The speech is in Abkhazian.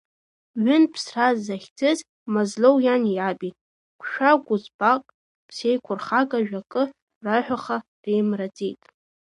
Ҩынтә ԥсра захьӡыз, Мазлоу иани-иаби, гәшәа-гәыӡбак, ԥсеиқәырхага жәакгьы раҳәаха реимраӡеит.